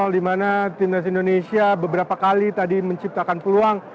di mana timnas indonesia beberapa kali tadi menciptakan peluang